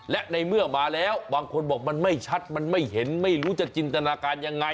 และในเมื่อมาแล้วบางคนบอกมันไม่ชัดมันไม่เห็นไม่รู้จะจินตนาการยังไง